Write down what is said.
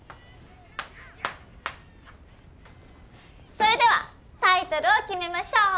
それではタイトルを決めましょう！